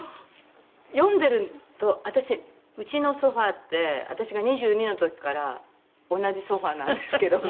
読んでると私うちのソファって私が２２の時から同じソファなんですけども。